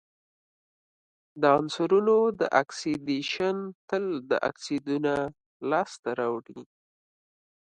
د عنصرونو اکسیدیشن تل اکسایدونه لاسته راوړي.